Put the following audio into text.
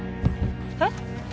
えっ？